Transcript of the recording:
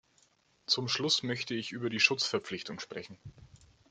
Zum Schluss möchte ich über die Schutzverpflichtung sprechen.